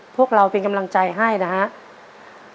พวกเราเป็นกำลังใจให้นะครับ